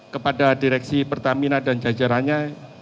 kepada direksi pertamina dan jajarannya